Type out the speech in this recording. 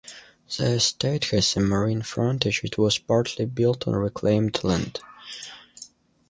The Estate has a marine frontage and was partly built on reclaimed land.